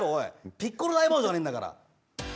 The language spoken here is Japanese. ピッコロ大魔王じゃねえんだから。